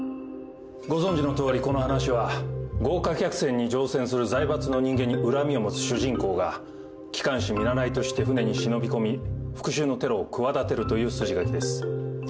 ご存じのとおりこの話は豪華客船に乗船する財閥の人間に恨みを持つ主人公が機関士見習いとして船に忍び込み復讐のテロを企てるという筋書きです。